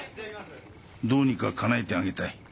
どうにか叶えてあげたい。